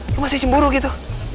lo masih cemburu gitu